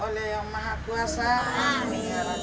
oleh yang maha kuasa